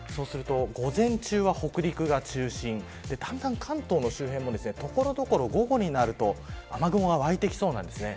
午前中は北陸が中心でだんだん関東の周辺も所々、午後になると雨雲がわいてきそうです。